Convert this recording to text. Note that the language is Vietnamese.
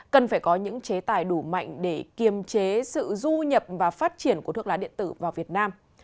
cần phải có những chế tài đủ mạnh để kiềm chế sự du nhập và phát triển của thuốc lá điện tử vào việt nam